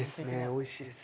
おいしいです。